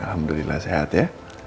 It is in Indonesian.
alhamdulillah sehat ya